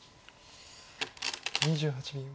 ２８秒。